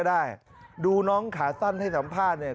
ได้ดูน้องขาสั้นให้สัมภาษณ์เนี่ย